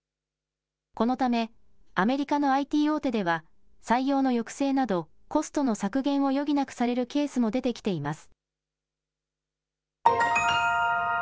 このためアメリカのＩＴ大手では採用の抑制などコストの削減を余儀なくされるケースも出てきています。